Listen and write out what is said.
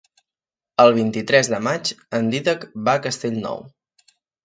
El vint-i-tres de maig en Dídac va a Castellnou.